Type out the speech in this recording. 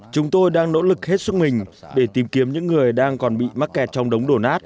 chúng tôi đang nỗ lực hết sức mình để tìm kiếm những người đang còn bị mắc kẹt trong đống đổ nát